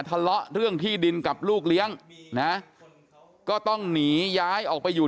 ทะเลาะเรื่องที่ดินกับลูกเลี้ยงนะก็ต้องหนีย้ายออกไปอยู่